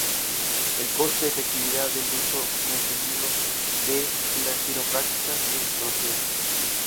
La costo-efectividad del uso mantenido de la quiropráctica es desconocida.